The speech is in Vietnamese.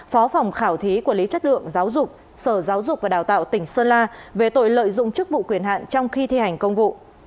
phó phòng khảo thí quản lý chất lượng giáo dục sở giáo dục và đào tạo tỉnh sơn la về tội lợi dụng chức vụ quyền hạn trong khi thi hành công vụ